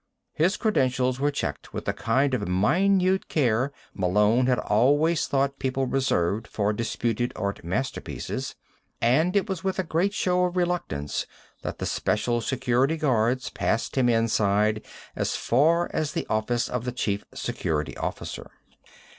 His credentials were checked with the kind of minute care Malone had always thought people reserved for disputed art masterpieces, and it was with a great show of reluctance that the Special Security guards passed him inside as far as the office of the Chief Security Officer.